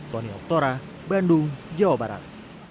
tony oktora bandung jawa barat